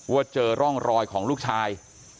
ว่าเจอร่องรอยของลูกชาย